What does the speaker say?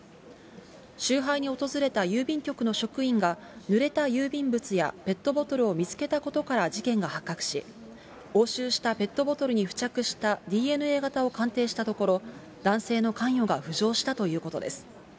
集配に訪れた郵便局の職員が、ぬれた郵便物やペットボトルを見つけたことから事件が発覚し、押収したペットボトルに付着したＤＮＡ型を鑑定したところ、男性の関与が浮上したということです。